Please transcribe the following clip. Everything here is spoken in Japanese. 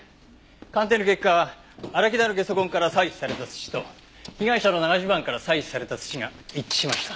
鑑定の結果荒木田のゲソ痕から採取された土と被害者の長襦袢から採取された土が一致しました。